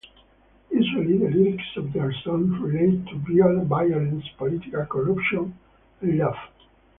Usually the lyrics of their songs relate to violence, political corruption and love.